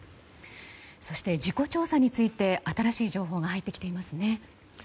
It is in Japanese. そして事故調査について新しい情報が入ってきています。